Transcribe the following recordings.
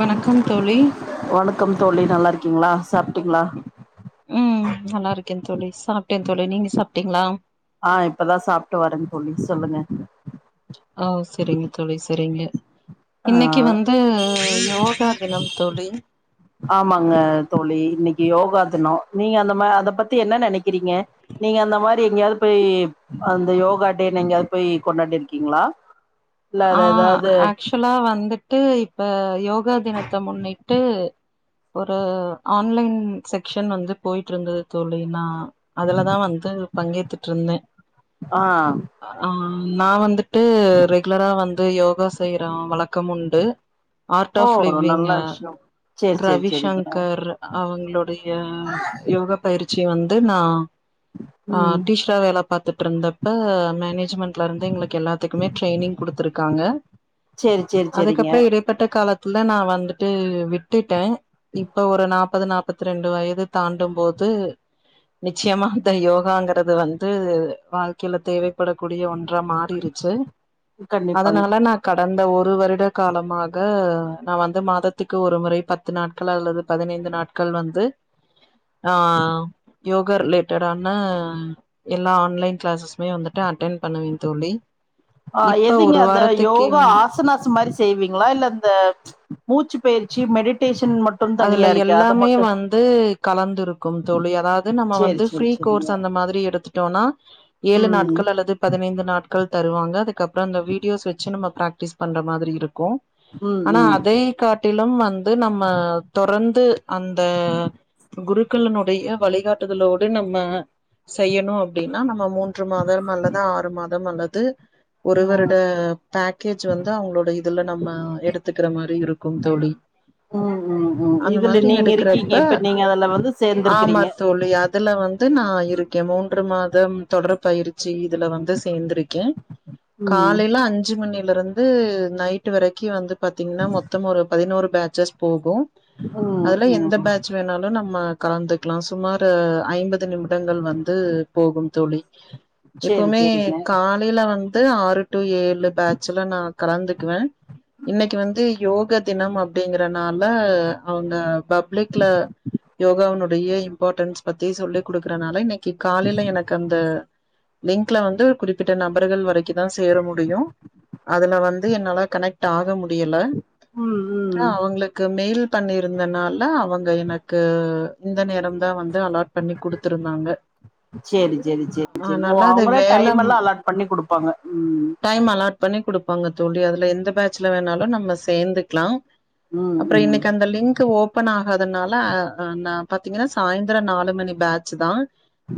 வணக்கம் தோழி வணக்கம் தோழி நல்லா இருக்கீங்களா சாப்ட்டீங்களா ம் நல்லா இருக்கேன்னு தோழி சாப்ட்டேன் தோழி நீங்க சாப்ட்டீங்களா ஆ இப்பதான் சாப்ட்டு வரேன் தோழி சொல்லுங்க ஆ சரிங்க தோழி சரிங்க ஆ, இன்னைக்கு வந்து யோகா தினம் தோழி ஆமாங்க தோழி இன்னைக் யோகா தினம் நீங்க அந்த அத பத்தி என்ன நினைக்க க்கிறீங்க நீங்க அந்த மாரி எங்கயாவது போய் அந்த யோகா டேன்னு எங்கயாவது போய் கொண்டாடி இருக்கீங்களா இல்ல ஆ அது ஏதாவது ஆக்சுவலா வந்துட்டு இப்ப யோகா தினத்தை முன்னிட்டு ஒரு ஆன்லைன் செக்க்ஷன் வந்து போய்ட்டு இருந்தது தோழி நா அதுலதான் வந்து பங்கேத்துட்டு இருந்தேன் ஆ ஆ நான் வந்துட்டு ரெகுலரா வந்து யோகா செய்யற வழக்கம் உண்டு ஆர்ட் ஓ ஆஃப் லிவ்விங் நல்ல விஷயம் சரி சரி சரிங்க ரவிசங்கர் அவங்களோடைய யோகப்பயிற்சி பயிற்சி வந்து நா ஆ ம் டீச்சரா வேல பாத்துட்டு இருந்தப்ப மேனே ஜ்மென்ட்ல இருந்து எங்களுக்கு எல்லாத்துக்குமே டிரெயினிங் கொடுத்துருக்காங்க சரி சரி சரிங்க அதுக்கப்புற இடைப்பட்ட காலத் ல நா வந்துட்டு விட் விட்டுட்டே இப்ப ஒரு நாற்பது நாற்பத்த ரெண்டு வயது தாண்டும் போது நிச்சயமா அந்த யோகாங்கறது வந்து வாழ்க்கையில தேவைப்படக்கூடிய ஒன் மாறிருச்சு கண்டிப்பாங்க அதனால நா க கடந்த ஒரு வருட காலமாக நா வந்து மாதத்துக்கு ஒரு முறை பத்து நாட்கள் அல்லது பதினைந்து நாட்கள் வந்து ஆ யோகா ரிலேட்டடான எல்லா ஆன்லைன் கிளாஸ்ஸ் எப்பவுமே வந்துட்டு அட்டன் பண்ணுவ தோழி ஆ இப்ப எதுங்க ஒரு அந்த வாரத்துக்கு யோகா ம் ஆசனாச மாரி செய்வீங்களா இல்ல இந்த மூச்சு பயிற்சி மெடிடேஷன் மட்டும் அதுல தனியா இருக்கு அது எல்லாமே மட்டும் வந்து கலந்துருக்கும் தோழி அதாவது நம்ம சேரி வந்து சேரி ஃப்ரீ கோர்ஸ் சேரிங்க அந்த மாதிரி எடுத்து டோனா ஏழு ம் நாட்கள் அல்லது பதனைந்து நாட்கள் தருவாங்க அதுக்கப்புறோ அந்த வீடியோஸ் வெச்சு நம்ம பிராக்டிஸ் பண்ற மாதிரி இருக்கும் ம் ஆனா ம் அதை காட்டிலும் வந்து நம்ம தொறந்து அந்த குருக் க்குள்ளுனுடைய வழிகாட்டுதலோடு நம்ம செய்யணு அப்டின்னா நம் ஒ மூன்று மாதம் அல்லது ஆறு மாதம் அல்லத் து ஒரு ம் வருட பேக்கேஜ் வந்து அவங்களோட இதுல நம்ம எடுத்துக்குற மாரி இருக்கும் தோழி ம் ம் ம் அந்த இதுல மாதிரி நீங்க எடுக்கிறப்ப இருக்கீங்க இப்ப நீங்க அதுல வந்து ஆமா சேர்ந்திருக்கிறீங்க தோழி அதுல வந்து நா இருக்கே மூன்று மாத் தம் தொட்ரு பயிற்சி இதுல வந்து சேந்துருக் கே ம் காலையில அஞ்சு மணி ல இருந்து நைட்டு வெரைக்கு வந்து பாத்தீங்கன்னா மொத்தம் ஒரு பதினோரு பேட்சஸ் போகு ம் அதுல எந்த ம் பேட்ச வேணாலு நம்ம கலந்துக்குலா சுமார் ஐம்பது நிமிடங்கள் வந்து போகும் தோழி சேரி எப்பவுமே சேரிங்க காலையில வந் து ஆறு டு ஏழு பேட்சல நா கலந்துக்குவ இன்னைக்கு வந்து யோக தினம் அப்டிங்கறனால அவங்க பப்ளிக்ல யோகானுடைய இம்பார்ட்ன்ஸ் பத்தி சொல்லி குடுக்குறனால இன்னைக்கி காலையில எனக்கு அந்த லிங்க்குல வந்து குறிப்பிட்ட நபர்கள் வரைக்கும் தான் சேர முடியும் அதுல வந்து என்னால கனெக்ட் ஆக முட் டியில ம் அப்றோ ம் அவங்களுக்கு மேல் பண்ணிருந்தனால அவங்க எனக்கு இந்த நேரம் தா வந் து அலாட் பண்ணி குடுத்துருந்தாங்க சேரி சேரி சேரி சேரி ஓ ஆனால அது அவங்களே வேல டைம் எல்லா அலாட் பண்ணி குடுப்பாங்க ம் டைம் அலாட் பண்ணி குடுப் பாங்க தோழி அதுல எந்த பெச்சில வேணாலும் நம்ம சேந்துக்லா ம் ம் கந்த லிங்க்கு ஓபன் ஆ அதுனால அ நா பாத்தீங்கன்னா சாயந்தரம் நாலு மணி பேச்சி தா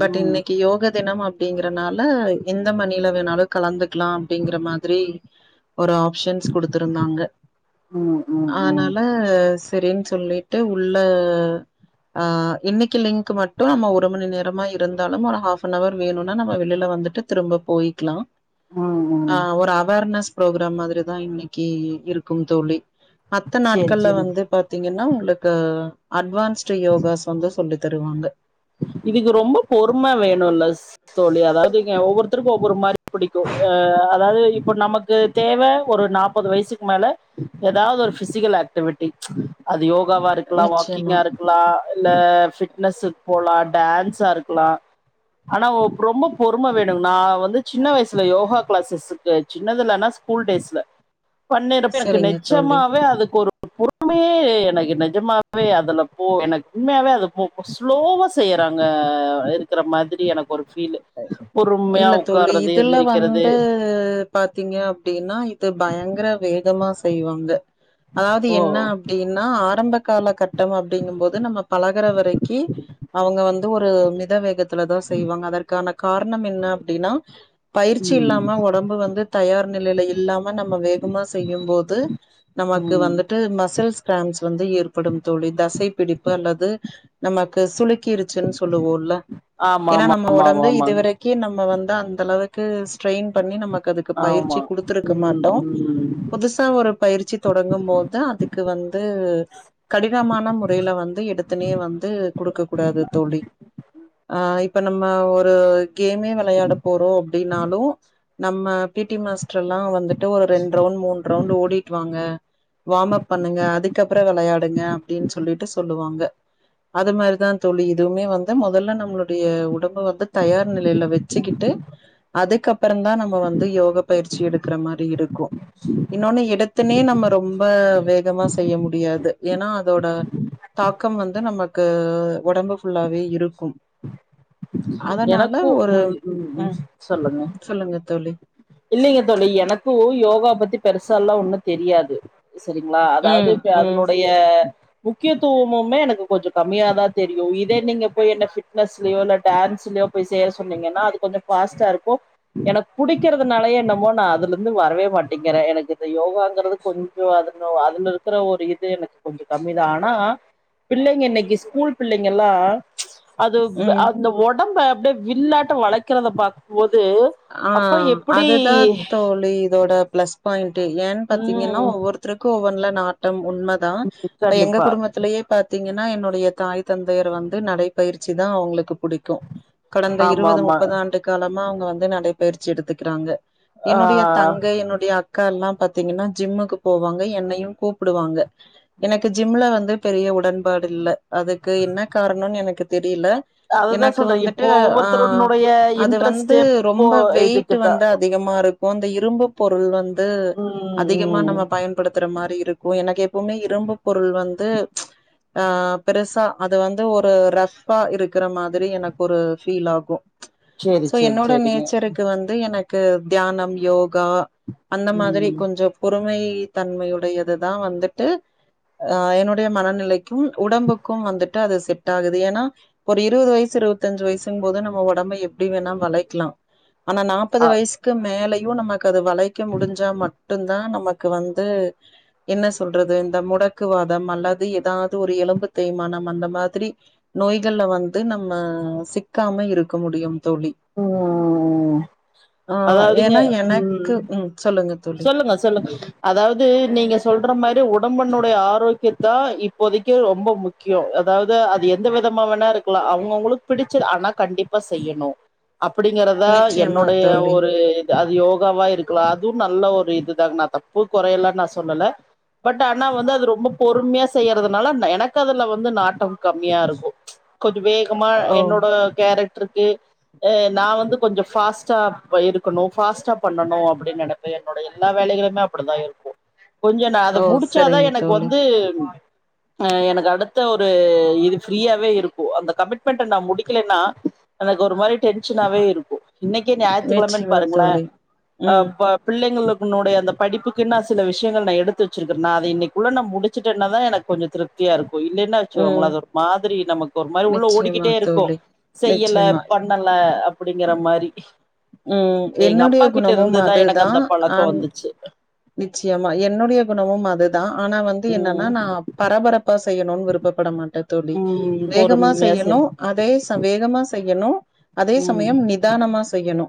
பட் ம் இன்னைக்கி யோகட் தினம் அப்டிங்குறனால எந்த மணில வேணாலும் கலந்துக்குலா அப்டிங்கிற மாதிரி ஒரு ஆப்ஷன்ஸ் குடுத்துருந்தாங்க ம் ம் ம் ஆனால சரினு சொல்லிட்டு உள்ள அ இன்னைக்கு லிங்க் மட்டும் நம்ம ஒரு மணி நேரமா இருந்தாலும் ஒரு ஹாப் அன் வர் வேணும்னா நம்ம வெளியில வந்துட்டு திரும்ப போயிக்கலாம் ம் ஆ ம் ஒரு அவார்னஸ் ப்ரோக்ராம் மாதிரி தான் இன்னைக்கி இருக்கும் தோழி மத்த சேரி நாட்கள்ல சேரி வந்து ன்னா உங்களுக்கு அட்வான்ஸ் யோகாச வந்து சொல்லு தருவாங்க இதுக்கு ரொம்ப பொறும வேணும்ல ஸ் தோழி அதாவதுங்க ஒவ்வொருத்தருக்கும் ஒவ்வொரு மாதிரி பிடிக்கும் அ அதாது இப்ப நமக்கு தேவ ஒரு நாற்பது வயசுக்கு மேல ஏதாவது ஒரு பிசிக்கல் ஆக்டிவிட்டி அது யோக யோகாவா இருக்கலா நிச்சயமா. வாக்கிங்கா இருக்கலா இல்ல ஃபிட்னஸ் போலாம் டான்ஸா இருக்கலா ஆனா ரொம்ப பொறுமை வேணும் நான் வந்து சின்ன வயசுல யோகா கிளாஸஸ்க்கு சின்னதுலனா ஸ்கூல் டேஸ்ல பண்ணிருப்ப எனக்கு சரிங்க தோழி. நெச்சமாவே அதுக்கு ஒரு பொறுமையே எனக்கு நிஜமாவே அதுல போ எனக்கு உண்மையாவே அது போ ஸ்லோவாக செய்யறாங்க இருக்கற மாதிரி எனக்கு ஒரு ஃபீல் பொறுமையா இல்ல தோழி உட்கார்றது இதுல எந்திரிக்கிறது வந்து பாத் பாத்தீங்க அப்படின்னா இது பயங்கர வேகமா செய்வாங்க அதாவது ஓ என்ன அப்டின்னா ஆரம்ப கால கட்டம் அப்படிங்கும்போது நம்ம பழகுற வரைக்கு அவங்க வந்து ஒரு மித வேகத்துல தான் செய்வாங்க அதற் அதுக்கான காரணம் என்ன அப்டின்னா பயிற்சி ம் இல்லாம உடம்பு வந்து தயார் நிலையில இல்லாம நம்ம வேகமா செய்யும் போது நமக்கு ம் வந்துட்டு மசல் ஸ்கிராம்ஸ் வந்து ஏற்படும் தோழி தசை பிடிப்பு அல்லது நமக்கு சுளிப் இருச்சுன்னு சொல்லுவோம்ல்ல ஆமா ஏன்னா ஆமா நம்ம ஆமா ஆமா வந்து ஆமாங்க இதுவரைக்கு நம்ம வந்து அந்த அளவுக்கு ஸ்ட்ரெயின் பண்ணி நமக்கு அதுக்கு பயிற்சி ஆமா கொடுத்துருக்க ம் மாட்டோம் ம் புதுசா ஒரு பயிற்சி தொடங்கும் போது அதுக்கு வந்து கடினமான முறையில வந்து எத்தனே வந்து கொடுக்க கூடாது தோழி ஆ இப்ப நம் ஒரு கேமே விளையாட போறோம் அப்படின்னாலு நம்ம பிடிி மாஸ ல்லாம் வந்துட்டு ஒரு ரெண்டு ரவுண்ட் மூணு ரவுண்ட் ஓடிட்டுவாங்க வம் அப் பண்ணுங்க அதுக்கப்புறம் விளையாடுங்க அப்படின்னு சொல்லிட்டு சொல்லுவாங்க அது மாதிரிதான் தோழி இதுவுமே வந்து முதல்ல நம்மளுடைய வந்து தயார் நிலையில வச்சுக்கிட்டு அதுக்கப்புறம தான் நம்ம வந்து யோக பயிற்சி எடுக்கற மாரி இருக்கும் இன்னொன்னு இடத்தனே நம்ம ரொம்ப வேகமா செய்ய முடியாது ஏன்னா அதோட தாக்கம் வந்து நம்ம க்கு உடம்பு ஃுல்லாகவே இருக்கும் அதனால எனக்கு ஒரு உ உ ம் சொல்லுங்க சொல்லுங்க தோழி இல்லைங்க தோழி எனக்கும் யோகாப் த பத்தி பெருசா எல்லாம் ஒண்ணும் தெரியாது செரிங்களா அதாவது ம் இப்ப ம் அதனுடைய முக்கியத்துவமுமே எனக்கு கொஞ்சம் கம்மியாாதான் தெரியும் இதே நீங்க போய் என்ன பிட்னஸ்லயோ இல்ல டான்ஸ்லயோ போய் சேர சொன்னீங்கன்னா அது கொஞ்சம் ஃபாஸ்ட்டா இருக்கும் எனக்கு புடி டிக்கிறதுனால என்னமோ நான் அதுல இருந்து வரவே மாட்டேங்கிறேன் எனக்கு யோகாங்கறது கொஞ்சம் அது அதுல இருக்கிற ஒரு இது எனக்கு கொஞ்சம் கம்மிதான் ஆனா பிள்ளைங்க இன்னிக்கு ஸ்கூல் பிள்ளைங்க எல்லாம் அது ம் அந்த ஒடம்ப அப்பிடியே வில் ஆட்டம் வளைக்கறத பாக்கபோது அது அப் ஆ அதுதான் தோழி இதோட பிளஸ் பாயிண்ட்டே ஏன்னு பாத்தீங்கன்னா ம் ஒவ்வொருத்தருக்கும் ஓவன்ல நாட்டம் உண்மைதான் இ எங்க கண்டிப்பா குடும்பத்திலயே பாத்தி ஏன்னா என்னுடைய தாய் தந்தையர் வந்து நடை பயிற்சி தான் அவுங்களுக்கு புடிக்கும் கடந்த ஆமா இருவது ஆமா முப்பது ஆண்டு காலமா அவுங் வந்து நடைப்பயிற்சி எடுத்துக்கிறாங்க ஆ என்னுடைய தங்கை என்னுடைய அக் அக்கால்லா பாத்திங்கனா ஜிம்முக்கு போவாங்க என்னையு கூப்புடுவாங்க எனக்கு ஜிம்ல வந்து பெரிய உடன்பாடு இல்ல அதுக்கு என்ன காரணன்னு எனக்கு தெரி அதுதா சொல்ற இப்போ ஆ ஒவ்வொருத்தருன்னுடைய அது வந்து இன்ட்ரெஸ்ட்டு ரொம்ப வெயிட் இதுக்குதா வந்து அதிகமா இரு க்கு அந்த இரும்பு பொருள் வந் து ம் அதிகமா ம் நம்ம பயன்படுத்துற மாரி இருக்கு எனக்கு எப் பவுமே இரும்பு பொருள் வந்து ஆ பெருசா அது வந்து ஒரு ரஃப்பா இருக்கற மாதிரி எனக்கு ஒரு ஃபீல் ஆகு செரி செரி செரிங்க ச்சருக்கு வந்து எனக் கு தியானம் யோகா அந்த மாதிரி ம் கொஞ்ச பொறுமை தன்மையுடையதுதா வந்துட்டு என்னுடைய மனநிலை உடம்புக்கு வந்துட் டு அது செட் ஆகுது ஏனா ஒரு இருவது வயசு இருவத்தஞ்சு வயிசுங் போது நம்ம ஒடம்ப எப்டி வேணா வளைக்லா ஆனா நாப்பது அ வயசுக்கு மேலை யு நம்ம அத வளைக்க முடிஞ்சா மட்டுந்தா நமக் கு வந்து என்ன சொல்றது இந்த முடக்குவாதம் அல்லது எதாது ஒரு எலும்பு தேய்மானம் அந்த மாதிரி நோய்கள்ல வந்து நம்ம சிக்காம இருக்க முடியும் தோழி ம் ஆ அதாவ்துங்க ஏன்னா எனக்கு ம் சொல்லுங்க தோழி சொல்லுங்க சொல்லுங்க அதாவுது நீங்க சொல்ற மாரி ஒ டம்பினுடைய ஆரோக்கியத்தா இப்போதைக்கு ரொம்ப முக்கிய அதாது அது எந்த விதமா வேணா இருக்கலா அவங்கவுங்களுக்கு பிடிச்சு ஆனா கண்டிப்பா செய்யணு அப்படிங்கறதா நிச்சயமா என்னுடைய தோழி ஒரு அது யோகாவா இருக்கலா அது நல்ல ஒரு இதுதா நா தப்பு கொறையல்லா நா சொல்லல பட் ஆனா வந்து அது ரொம்ப பொறுமையா செய்யறதுனால எனக்கு அதுல வந்து நாட்டம் கம்மியா இருக்கு கொஞ்ச வேகமா ஓ என்னோட கேரக்ட் ருக்கு அ நா வந்து கொஞ்ச ஃபாஸ்ட்டா இருக்கணு ஃபாஸ்ட்டா பண்ணணு அப்படின் நென ப்ப என்னுடைய எல்லா வேலைகளுமே அப்படிதா இருக்கு கொஞ்ச நா அத ஓ முடிச்சாதா சரிங்க எனக்கு தோழி வந்து அ எனக்கு அடுத்த ஒரு இது ஃப்ரீயாவே இருக்கு அந்த கமிட்மெண்ட்ட நா முடிக்கலேனா எனக்கு ஒரு மாரி டென்ஷனாவே இருக்கு இன்னைக்கே ஞாயித்துக்கெழமன் நிச்சயமா பாருங்களே தோழி அ ம் ப பிள்ளைங்களுக்குனுடைய அந்த படிப்புக்குன் நா சில விஷயங்கள் நா எடுத்து வச்சிருக்க நா அத இன்னைக்குள்ள நா முடிச்சுட்டனாதா எனக்கு கொஞ்ச திருப்தியாருக்கு இல்லன வெச்சுக்கோங்களே ம் அது ஒரு மாதிரி நமக்கு ஒரு மாதிரி உள்ள நிச்சயமா ஓடிக்கிட்டே இருக்கு தோழி செய்யல நிச்சயமா பண்ணல அப் படிங்கற மாரி ம் அது எங்க என்னுடைய அப்பா கிட்ட குணமும் இருந்துதா அதுதா எனக்கு அந்த பழக்க ஆன் வந்துச்சு நிச்சயமா என்னுடைய குணமு அதுதா ஆனா வந்து என்னன்னா ம் நா பரபரப்பா செய்யணுன் விருப்பப்பட மா ட்ட தோழி ம் வேகமா பொறுமையா செய்யணு செய் அதே சம வேகமா யணு அதே ம் சமயம் நிதானமா செய்யணு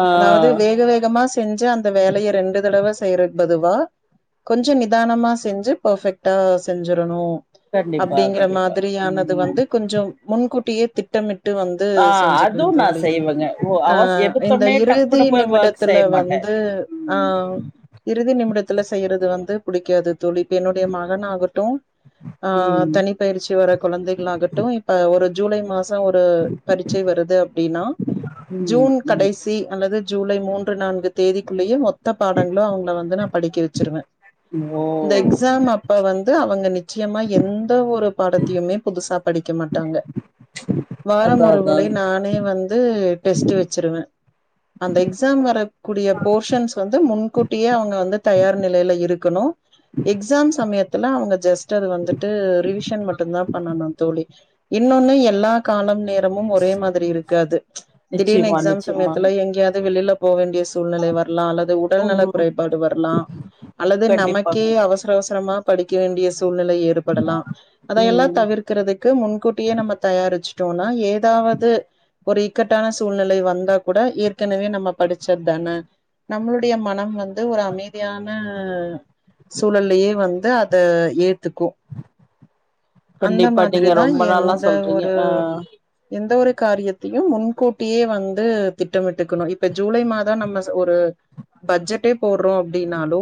ஆ அதாவது வேக வேகமா செஞ்சு அந்த வேலைய ரெண்டு தடவ செய்றது பதுவா கொஞ்சோ நிதானமா செஞ்சு பர்ஃபெக்ட்டா செஞ்சரணு கண்டிப்பா அப்டிங்கற கண்டிப்பா மாதிரியானது ம் வந்து கொஞ்சோ முன்கூட்டியே திட்டமிட் ட்டு வந்து ஆ செஞ்சுக்குவே அதுவு நா தோழி செய்வேங்க ஓ ஆ அவச இந்த எடுத்தோனே இறுதி டப்புன்னு போய் ஒர்க் நிமிடத்துல செய்ய மாட்டே வந்து ஆ ம் இறுதி நிமிடத்துல செய்யறது வந்து புடிக்காது தோழி இப்ப என்னுடைய மகனாகட்டும் ஆ ம் தனிப்பயிற்சி வர குழந்தைகளாகட்டும் இப்ப ஒருத் ஜூலை மாஸ் ஒரு பரீட்ச்சை வருது அப்டின்னா ஜூன் ம் ம் கடைசி அல்லது ஜூலை மூன்று நான்கு தேதிக்குள்ளேயே மொத்தப் பாடங்களு அவுங்கள வந்து நா படிக்க வச்சிருவே ஓ இந்த எக்ஸாம் அப்ப வந்து அவங்க நி ச்சியமா எந்த ஒரு பாடத்தையுமே புதுசா படிக்க மாட்டாங்க வாரம் அதா ஒரு அதா முறை நானே வந்து டெஸ்ட்டு வெச்சிருவே அந்த எக்ஸாம் வரக்கூடிய போஷன்ஸ் வந்து முன்கூட்டியே அவங்க வந்து தயார் நிலையில இருக்கனு எக்ஸாம் சமயத்துல அவங்க ஜஸ்ட் அத வந்துட்டு ரிவிஷன் மட்டுந்தா பண்ணனு தோழி இன்னொன்னு எல்லா காலம் நே ரமும் ஒரே மாதிரி இருக்காது திடீர்னு நிச்சயமா எக்ஸாம் நிச்சயமா சமயத்துல எங்கேயாது வெளில போ வேண்டிய சூழ்நிலை வர்லா அல்லது உடல் நல ம் குறைபாடு வர்லா அல்லது நமக்கே கண்டிப்பாங்க அவசர அவச் சரமா படிக்க வேண்டியச் சூழ்நிலை ஏற்படலா அதயெல்லா ம் தவிர்குறதுக்கு முன்கூட்டியே நம்ம தயாரிச்சு டோனா ஏதாவது ஒரு இக்கட்டான சூழ்நிலை வந்தா கூட ஏற்கனவே நம்ம படிச்சத்தான நம்மளுடைய மனம் வந்து ஒரு அமைதியான சூழலையே வந்து அ த ஏ துக்கு அந்த கண்டிப்பா நீங்க மாதிரிதா ரொம்ப நல்லா எந்த சொல்றீங்க ஒரு ஆ எந்த ஒரு காரியத்தையு முன்கூட்டியே வந்து திட்டமிட்டுக்கணு இப்ப ஜூலை மாதம் நம்மச் ஒரு பட்ஜெட்டே போட்றோ அப்டி னாலு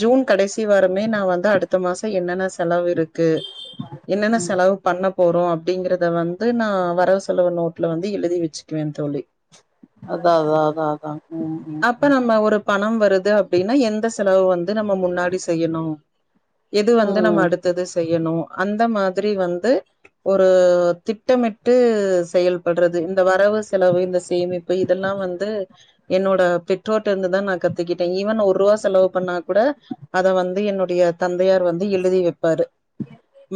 ஜூன் கடைசி வாரமே நா வந்து அடுத்த மாசோ என்னென்னச் செலவு இருக்கு என்னென்ன செலவு பண்ண போறோ அப்டிங்கறத வந்து நா வரவு செலவு நோட்ல வந்து எழுதி வெச்சுக்குவே தோழி அதா அதா அதா அதா ம்ஹு அப்ப நம்ம ஒரு பணம் வருது அப்டின்னா எந்த செலவு வந் து நம்ம முன்னாடி செய்யணு எது வந்து நம்ம ம் அடுத்தது செய்யணு அந்த மா திரி வந்து ஒரு திட்டமிட்டு செயல்படுறது இந்த வ ரவு செலவு இந்த சேமிப்பு இதெல்லா வந்து என்னோட பெற்றோர்ட இருந்து தா நா கத்துக்கிட்டே ஈவன் ஒரு ரூவா செலவு பண்ணா கூட அத வந்து என்னுடைய தந்தையார் வந்து எழுதி வெப்பாரு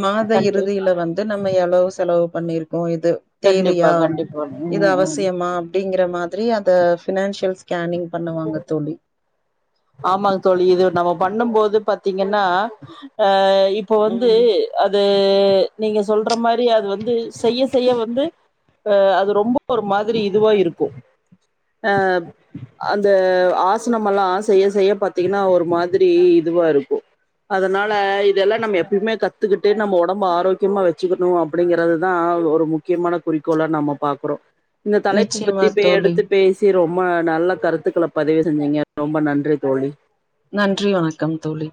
மாத கண்டி இறுதியில வந்து நம்ம எவ்ளவு செலவு பண்ணி இருக் இது கண்டிப்பா தேவையா கண்டிப்பா இது ம் ம் அவசியமா அப்படிங்கற மாதிரி அத பினான்சியல் ஸ்கேனிங் பண்ணுவாங்க தோழி ஆமாங்க தோழி இது நம்ம பண்ணும் போது பத் பாத்தீங்கன்னா ஆ இப்போ வந்து ம் அது நீங்க சொல்ற மாதிரி அது வந்து செய்ய செய்ய வந்து ஆ அது ரொம்ப ஒரு மாதிரி இதுவா இருக்கும் ஆ அந்த ஆசனம எல்லாம் ஆ செய்ய செய்ய பாத்தீங்கன்னா ஒரு மாதிரி இதுவா இருக்கும் அதனால இதெல்லாம் நம்ம எப்பயுமே கத்துக்கிட்டு நம்ம உடம்ப ஆரோக்கியமா வச்சுக்கணும் அப்படிங்கறிறதுதான் ஒரு முக்கியமான குறிக்கோலா நம்ம பாக்குறோம் இந்த தலைப்பு நிச்சயமா பற்றி தோழி எடுத்து பேசி ரொம்ப நல்ல கருத்துக்களை பதிவு செஞ்சீங்க ரொம்ப நன்றி ரி தோழி நன்றி வணக்கம் தோழி